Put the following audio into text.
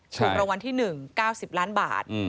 ถูกรางวัลที่๑๙๐ล้านบาท